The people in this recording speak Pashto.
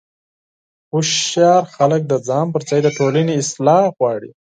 هوښیار خلک د ځان پر ځای د ټولنې اصلاح غواړي.